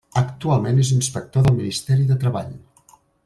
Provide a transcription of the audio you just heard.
Actualment és inspector del Ministeri de Treball.